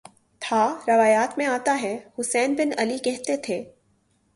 تھا روایات میں آتا ہے حسین بن علی کہتے تھے